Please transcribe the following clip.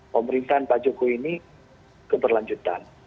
pemerintahan pak jokowi ini keberlanjutan